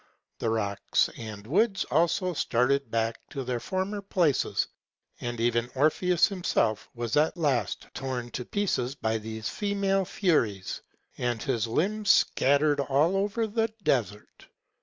The rocks and woods also started back to their former places; and even Orpheus himself was at last torn to pieces by these female furies, and his limbs scattered all over the desert.